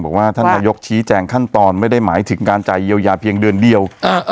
บอกว่าท่านนายกชี้แจงขั้นตอนไม่ได้หมายถึงการจ่ายเยียวยาเพียงเดือนเดียว